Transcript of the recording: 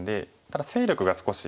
ただ勢力が少し。